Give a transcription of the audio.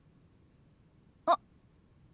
あっ。